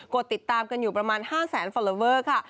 ดติดตามกันอยู่ประมาณ๕แสนฟอลลอเวอร์ค่ะ